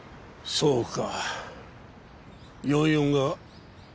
そうか。